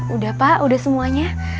udah pak udah semuanya